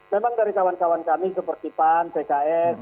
memang dari kawan kawan kami seperti pan pks